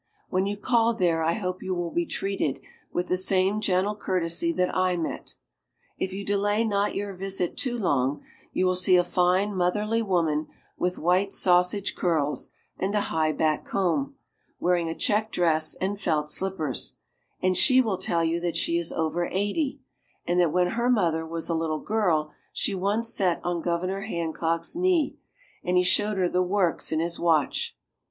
When you call there I hope you will be treated with the same gentle courtesy that I met. If you delay not your visit too long, you will see a fine, motherly woman, with white "sausage curls" and a high back comb, wearing a check dress and felt slippers, and she will tell you that she is over eighty, and that when her mother was a little girl she once sat on Governor Hancock's knee and he showed her the works in his watch.